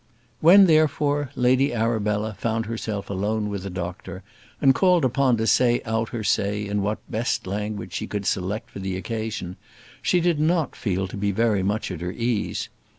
When, therefore, Lady Arabella found herself alone with the doctor, and called upon to say out her say in what best language she could select for the occasion, she did not feel to be very much at her ease.